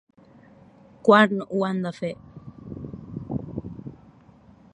Quan ho han de fer?